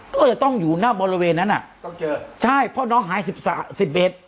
ก็จะต้องอยู่หน้าบริเวณนั้นน่ะใช่เพราะน้องหายสิบเวน